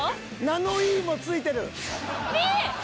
ナノイーも付いてる。